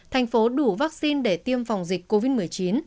thành phố đủ vaccine để tiêm phòng dịch covid một mươi chín